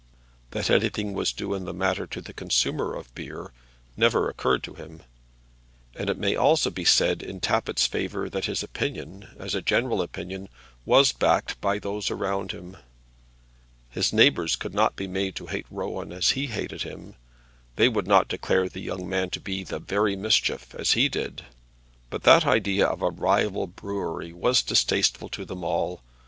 That anything was due in the matter to the consumer of beer, never occurred to him. And it may also be said in Tappitt's favour that his opinion, as a general opinion, was backed by those around him. His neighbours could not be made to hate Rowan as he hated him. They would not declare the young man to be the very Mischief, as he did. But that idea of a rival brewery was distasteful to them all.